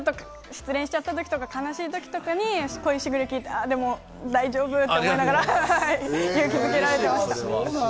失恋しちゃったときとか悲しいときに『恋時雨』を聴いて、大丈夫と思いながら、勇気付けられていました。